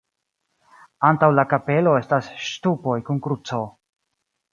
Antaŭ la kapelo estas ŝtupoj kun kruco.